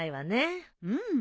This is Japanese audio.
うん。